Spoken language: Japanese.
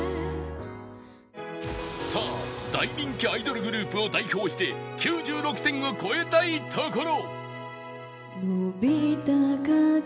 さあ大人気アイドルグループを代表して９６点を超えたいところ